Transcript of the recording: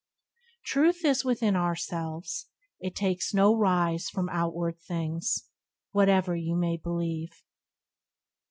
"Truth is within ourselves; it takes no rise From outward things, whate'er you may believe."